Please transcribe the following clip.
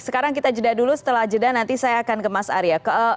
sekarang kita jeda dulu setelah jeda nanti saya akan ke mas arya